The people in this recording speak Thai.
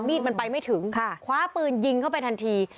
มันไปไม่ถึงค่ะคว้าปืนยิงเข้าไปทันที